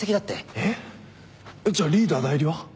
えっじゃあリーダー代理は？